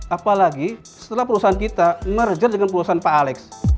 apalagi setelah perusahaan kita merger dengan perusahaan pak alex